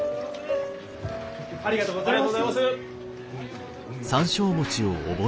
ありがとうございます！